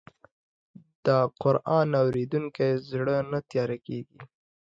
د قرآن اورېدونکی زړه نه تیاره کېږي.